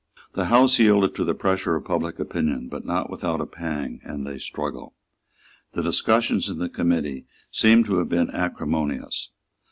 The House yielded to the pressure of public opinion, but not without a pang and a struggle. The discussions in the committee seem to have been acrimonious.